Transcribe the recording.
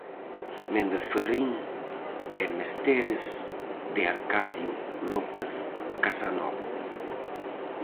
Méndez Ferrín, e Mesteres, de Arcadio López Casanova.